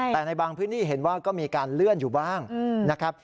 แต่ในบางพื้นที่เห็นว่าก็มีการเลื่อนอยู่บ้างนะครับ